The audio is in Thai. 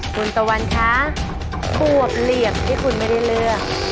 คุณตะวันคะขวบเหลี่ยมที่คุณไม่ได้เลือก